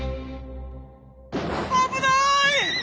危ない！